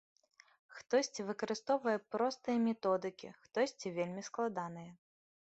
Хтосьці выкарыстоўвае простыя методыкі, хтосьці вельмі складаныя.